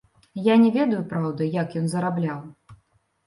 Я не ведаю, праўда, як ён зарабляў.